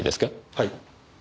はい。